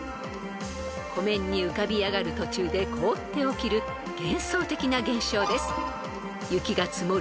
［湖面に浮かび上がる途中で凍って起きる幻想的な現象です］